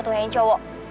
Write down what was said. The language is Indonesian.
tuh yang cowok